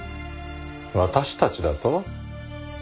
私たちだと？